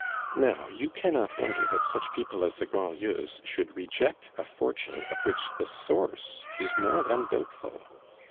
Now you cannot wonder that such people as the Grandlieus should reject a fortune of which the source is more than doubtful.